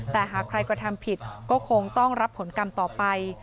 แต่หากใครกระทำผิดก็คงต้องรับผลกรรมต่อไป